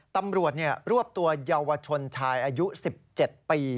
ตำรวจรวบตัวเยาวชนชายอายุ๑๗ปี